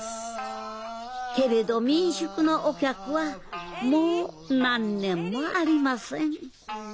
けれど民宿のお客はもう何年もありません。